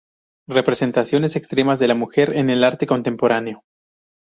Representaciones extremas de la mujer en el arte contemporáneo.